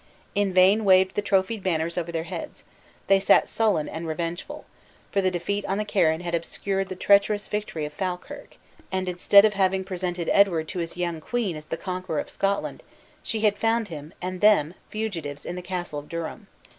In vain waived the trophied banners over their heads; they sat sullen and revengeful, for the defeat on the Carron had obscured the treacherous victory of Falkirk; and instead of having presented Edward to his young queen as the conqueror of Scotland; she had found him, and them fugitives in the castle of Durham!